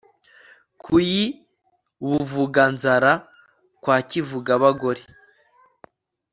ku y'i buvuganyanzara kwa kivugaba gore